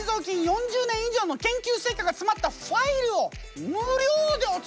４０年以上の研究成果がつまったファイルを無料でおつけします！え？